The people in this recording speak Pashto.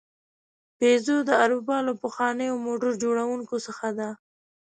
پيژو د اروپا له پخوانیو موټر جوړونکو څخه ده.